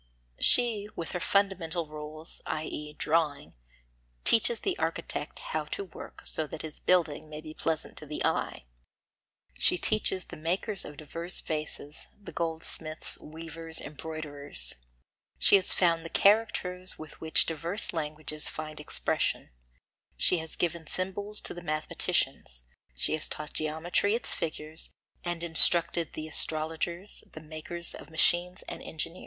She with her fundamental rules, i.e. drawing, teaches the architect how to work so that his building may be pleasant to the eye; she teaches the makers of diverse vases, the goldsmiths, weavers, embroiderers; she has found the characters with which diverse languages find expression; she has given symbols to the mathematicians; she has taught geometry its figures, and instructed the astrologers, the makers of machines and engineers.